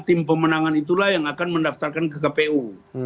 tim pemenangan itulah yang akan mendaftarkan ke kpu